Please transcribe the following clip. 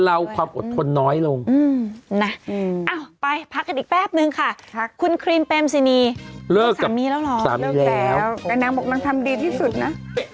เลิกแล้วแต่นางบอกว่ามันทำดีที่สุดนะ